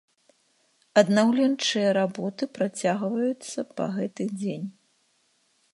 Аднаўленчыя работы працягваюцца па гэты дзень.